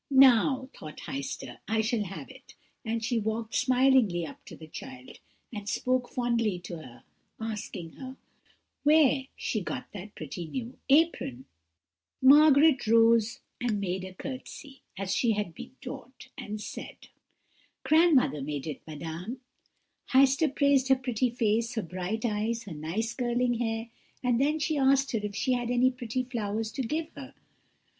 "'Now,' thought Heister, 'I shall have it;' and she walked smilingly up to the child, and spoke fondly to her, asking her, 'where she got that pretty new apron?' [Illustration: "Margot rose and made a curtsey." Page 262.] "Margot rose, made a curtsey, as she had been taught, and said: "'Grandmother made it, madame.' "Heister praised her pretty face, her bright eyes, her nice curling hair; and then she asked her if she had any pretty flowers to give her.